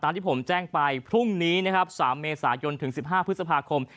ตามที่ผมแจ้งไปพรุ่งนี้นะครับสามเมษายนถึงสิบห้าพฤษภาคม